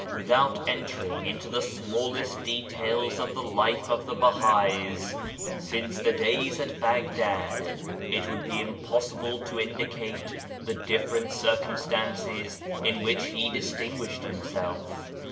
Without entering into the smallest details of the life of the Bahais since the 'ABDU'L BAHA 93 days at Baghdad, it would be impossible to indicate the different circumstances in which he distinguished himself.